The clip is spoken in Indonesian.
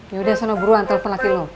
yaudah sana buruan telpon laki lo